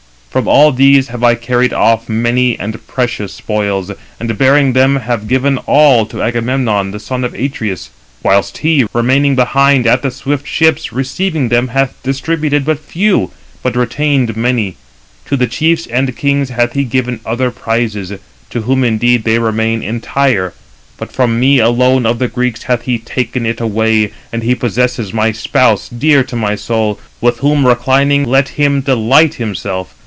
305 From all these have I carried off many and precious spoils, and bearing them, have given all to Agamemnon, the son of Atreus; whilst he, remaining behind at the swift ships, receiving them, hath distributed but few, but retained many. To the chiefs and kings hath he given other prizes; to whom indeed they remain entire: but from me alone of the Greeks hath he taken it away, and he possesses my spouse, dear to my soul, with whom reclining, let him delight himself.